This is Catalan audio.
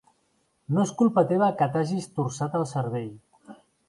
No és culpa teva que t'hagis torçat el cervell.